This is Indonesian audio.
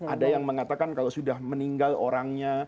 ada yang mengatakan kalau sudah meninggal orangnya